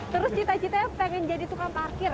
terus cita citanya pengen jadi tukang parkir